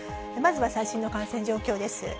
まずは最新の感染状況です。